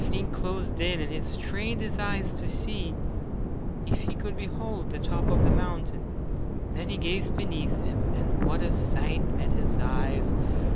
Evening closed in, and he strained his eyes to see if he could behold the top of the mountain. Then he gazed beneath him, and what a sight met his eyes!